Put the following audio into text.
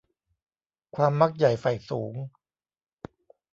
ความมักใหญ่ใฝ่สูง